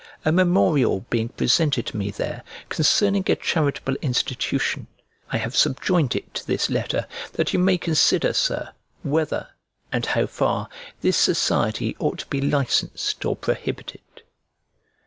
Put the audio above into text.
A memorial being presented to me there, concerning a charitable institution, I have subjoined it to this letter, that you may consider, Sir, whether, and how far, this society ought to be licensed or prohibited.